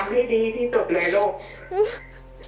ทำให้ดีที่สุดเลยลูก